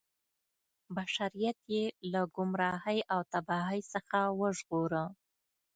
بشریت یې له ګمراهۍ او تباهۍ څخه وژغوره.